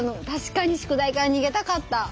確かに宿題から逃げたかった。